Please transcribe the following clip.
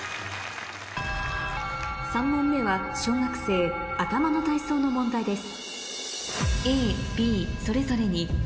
３問目は小学生頭の体操の問題です